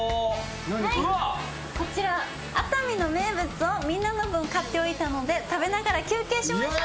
はいこちら熱海の名物をみんなの分買っておいたので食べながら休憩しましょう。